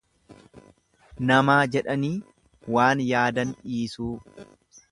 Namaa jedhanii waan yaadan dhiisuu.